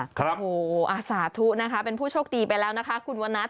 โอ้โหอาสาธุนะคะเป็นผู้โชคดีไปแล้วนะคะคุณวันนัท